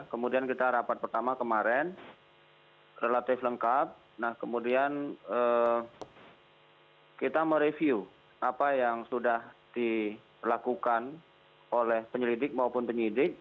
kemudian kita rapat pertama kemarin relatif lengkap kemudian kita mereview apa yang sudah dilakukan oleh penyelidik maupun penyidik